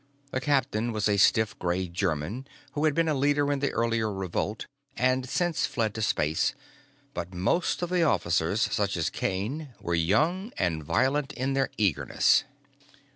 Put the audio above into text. The captain was a stiff gray German who had been a leader in the earlier revolt and since fled to space, but most of the officers, such as Kane, were young and violent in their eagerness.